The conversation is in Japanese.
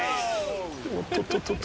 おっとっと。